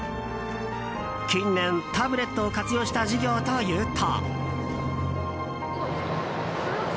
近年、タブレットを活用した授業というと。